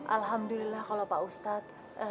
alhamdulillah kalau pak ustadz